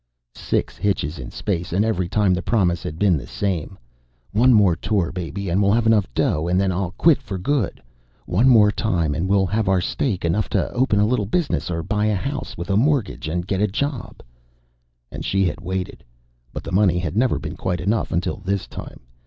Six hitches in space, and every time the promise had been the same: _One more tour, baby, and we'll have enough dough, and then I'll quit for good. One more time, and we'll have our stake enough to open a little business, or buy a house with a mortgage and get a job._ And she had waited, but the money had never been quite enough until this time.